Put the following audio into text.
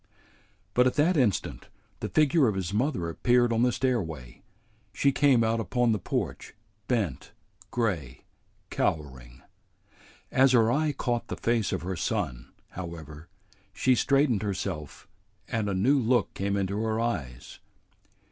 But at that instant the figure of his mother appeared on the stairway. She came out upon the porch, bent, gray, cowering. As her eye caught the face of her son, however, she straightened herself and a new look came into her eyes.